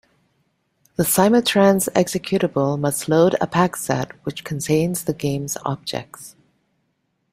The "Simutrans" executable must load a PakSet which contains the game's objects.